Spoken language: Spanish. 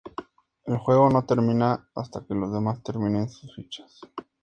El juego no termina hasta que los demás terminen sus fichas.